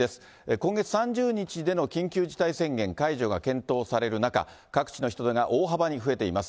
今月３０日での緊急事態宣言解除が検討される中、各地の人出が大幅に増えています。